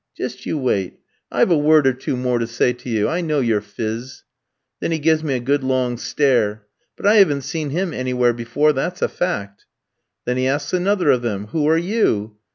"'Just you wait; I've a word or two more to say to you. I know your phiz.' "Then he gives me a good long stare. But I hadn't seen him anywhere before, that's a fact. "Then he asks another of them, 'Who are you?'